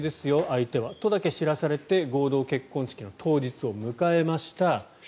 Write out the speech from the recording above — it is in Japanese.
相手はとだけ知らされて合同結婚式の当日を迎えました。